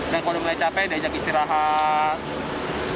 dan kalau mulai capek diajak istirahat